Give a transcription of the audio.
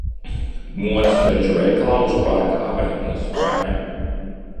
Modes preču veikalā uz Parka avēnijas, vai ne?